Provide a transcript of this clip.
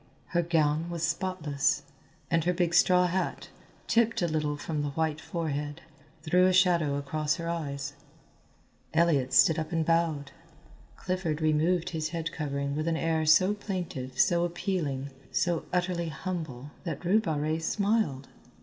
Her gown was spotless, and her big straw hat, tipped a little from the white forehead, threw a shadow across her eyes. Elliott stood up and bowed. Clifford removed his head covering with an air so plaintive, so appealing, so utterly humble that Rue Barrée smiled.